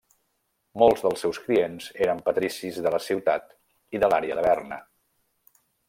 Molts dels seus clients eren patricis de la ciutat i de l'àrea de Berna.